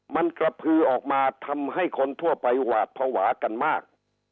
มันกระพือออกมาทำให้คนทั่วไปหวาดภาวะกันมาก